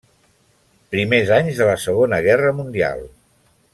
Primers anys de la Segona Guerra Mundial.